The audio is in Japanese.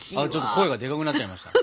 声デカくなっちゃいましたね。